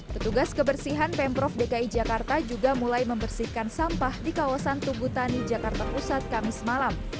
petugas kebersihan pemprov dki jakarta juga mulai membersihkan sampah di kawasan tugutani jakarta pusat kamis malam